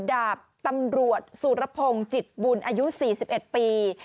ดาบตำรวจสุรพงศ์จิตบุญอายุ๔๑ปี